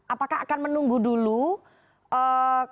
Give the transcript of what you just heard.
apakah akan menunggu dulu kasus didatang